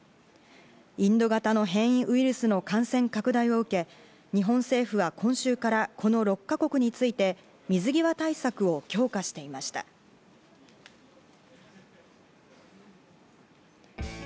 インド型の変異ウイルスの感染拡大を受け、日本政府は今週からこの６か国について水際対策を強化していました。